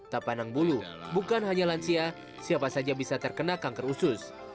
tak panang bulu bukan hanya lansia siapa saja bisa terkena kanker usus